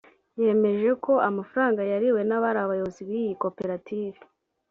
yemeje ko amafaranga yariwe n’abari abayobozi b’iyi Koperative